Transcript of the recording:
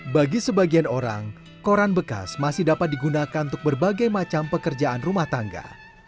bagi sebagian orang koran bekas masih dapat digunakan untuk berbagai macam pekerjaan rumah tangga